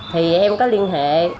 thì em có liên hệ